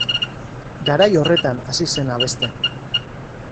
Garai horretan hasi zen abesten.